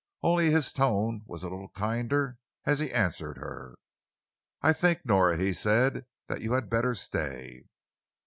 Only his tone was a little kinder as he answered her. "I think, Nora," he said, "that you had better stay."